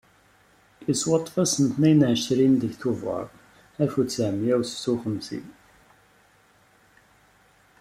Yettwaṭṭef ass n tnin u εecrin deg tuber alef u tesεemya u setta u xemsin.